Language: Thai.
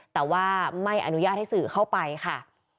แต่ว่าไม่อนุญาตให้สื่อเข้าไปค่ะ